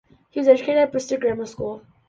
He was educated at Bristol Grammar School.